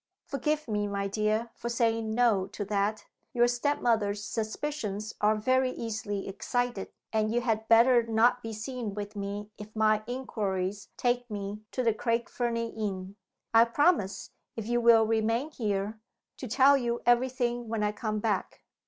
"Forgive me, my dear, for saying No to that. Your step mother's suspicions are very easily excited and you had better not be seen with me if my inquiries take me to the Craig Fernie inn. I promise, if you will remain here, to tell you every thing when I come back.